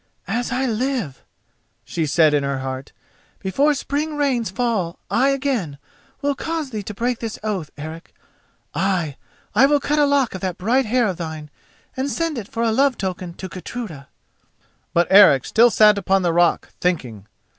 "As I live," she said in her heart, "before spring rains fall I again will cause thee to break this oath, Eric. Ay, I will cut a lock of that bright hair of thine and send it for a love token to Gudruda." But Eric still sat upon the rock thinking.